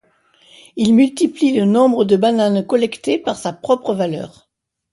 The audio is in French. Il multiplie le nombre de bananes collectées par sa propre valeur.